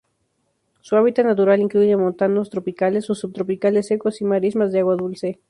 Su hábitat natural incluye montanos tropicales o subtropicales secos y marismas de agua dulce.